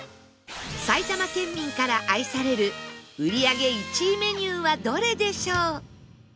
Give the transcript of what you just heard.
埼玉県民から愛される売り上げ１位メニューはどれでしょう？